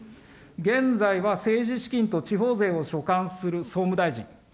現在は政治資金と地方税を所管する総務大臣。